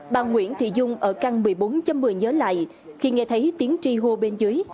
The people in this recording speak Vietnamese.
bà nguyễn thị dung ở căn một mươi bốn một mươi nhớ lại khi nghe thấy tiếng tri hô bên dưới